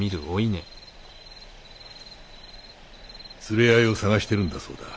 連れ合いを探してるんだそうだ。